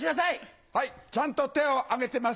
はい、ちゃんと手を挙げてます。